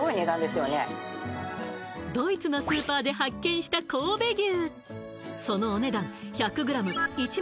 ドイツのスーパーで発見した神戸牛